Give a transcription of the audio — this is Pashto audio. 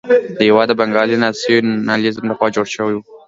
دا هېواد د بنګالي ناسیونالېزم لخوا جوړ شوی وو.